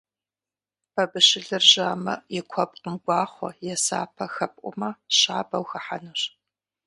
Бабыщылыр жьамэ, и куэпкъым гуахъуэ е сапэ хэпӀумэ щабэу хыхьэнущ.